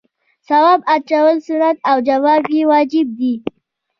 سلام اچول سنت او جواب یې واجب دی